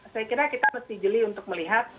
saya kira kita mesti jeli untuk melihat